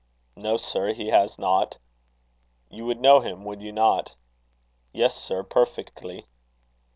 "No, sir, he has not." "You would know him, would you not?" "Yes, sir; perfectly."